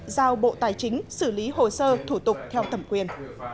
giao bộ tài chính xử lý hồ sơ thủ tục theo thẩm quyền